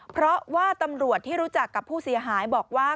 เพราะว่าตำรวจที่รู้จักกับผู้เสียหายบอกว่า